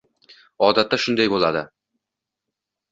Odatda shunday bo'ladi